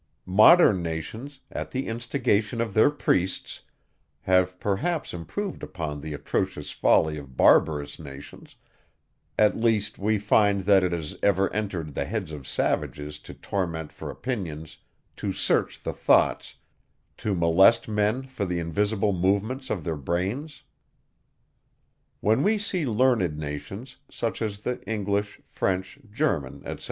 Modern nations, at the instigation of their priests, have perhaps improved upon the atrocious folly of barbarous nations; at least, we find, that it has ever entered the heads of savages to torment for opinions, to search the thoughts, to molest men for the invisible movements of their brains? When we see learned nations, such as the English, French, German, etc.